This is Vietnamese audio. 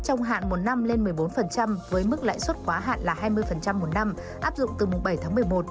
trong hạn một năm lên một mươi bốn với mức lãi suất quá hạn là hai mươi một năm áp dụng từ mùng bảy tháng một mươi một